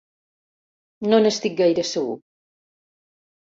No n'estic gaire segur.